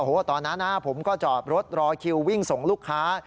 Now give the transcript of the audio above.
โอ้โหตอนนั้นนะผมก็จอดรถรอคิววิ่งส่งลูกค้า